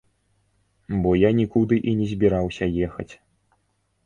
Бо я нікуды і не збіраўся ехаць.